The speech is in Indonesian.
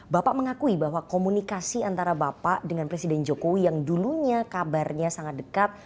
bapak mengakui bahwa komunikasi antara bapak dengan presiden jokowi yang dulunya kabarnya sangat dekat